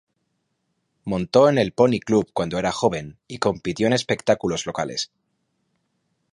Montó en el Pony Club cuando era joven y compitió en espectáculos locales.